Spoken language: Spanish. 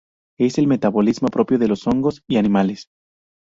Es el metabolismo propio de hongos y animales.